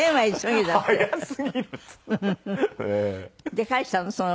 で返したの？